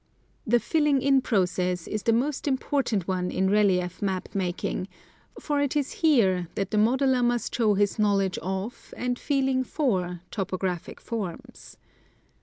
The filling in process is the most important one in relief map making, for it is here that the modeler must show his knowledge of, and feeling for, topo graphic forms.